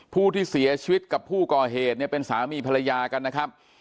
ผู้ที่เสียชีวิตกับผู้ก่อเหตุเนี่ยเป็นสามีภรรยากันนะครับ